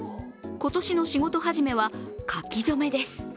今年の仕事始めは、書き初めです。